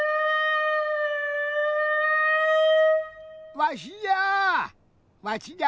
わしじゃ！